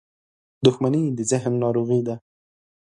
• دښمني د ذهن ناروغي ده.